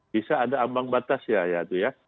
bisa ada ambang batas ya